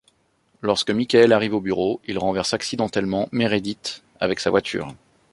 Lorsque Michael arrive au bureau, il renverse accidentellement Meredith avec sa voiture.